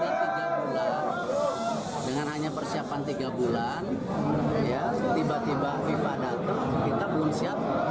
dengan hanya persiapan tiga bulan tiba tiba fifa datang kita belum siap untuk renovasi